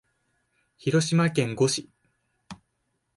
広島県呉市